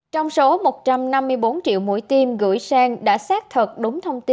trong số một trăm năm mươi bốn triệu mũi tiêm gửi sen đã xác thật đúng thông tin